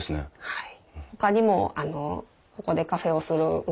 はい。